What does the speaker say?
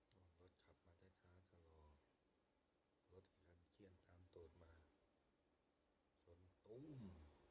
รถขับมาได้ช้าตลอดรถอีกครั้งเขี้ยนตามตรวจมาจนตุ้ม